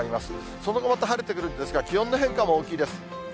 その後また晴れてくるんですが、気温の変化も大きいです。